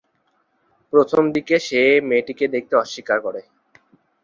প্রথম দিকে সে মেয়েটিকে দেখতে অস্বীকার করে।